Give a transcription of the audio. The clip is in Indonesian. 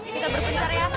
kita berpencar ya